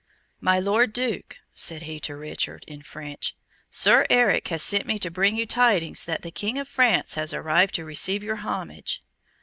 "My Lord Duke," said he to Richard, in French, "Sir Eric has sent me to bring you tidings that the King of France has arrived to receive your homage."